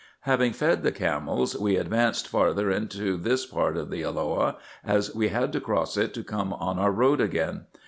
Having fed the camels, we advanced farther into this part of the Elloah, as we had to cross it to come on our road again.